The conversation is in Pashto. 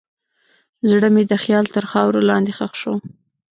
زړه مې د خیال تر خاورو لاندې ښخ شو.